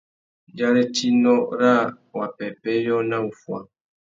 Dzarétinô râ wa pêpêyô na wuffuá.